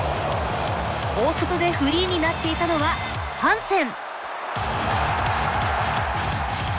大外でフリーになっていたのはハンセン！